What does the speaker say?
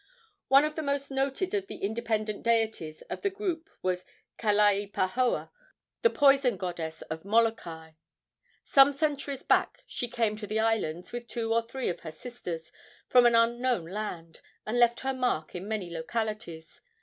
One of the most noted of the independent deities of the group was Kalaipahoa, the poison goddess of Molokai. Some centuries back she came to the islands, with two or three of her sisters, from an unknown land, and left her mark in many localities.